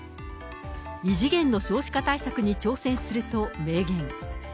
異次元の少子化対策に挑戦すると明言。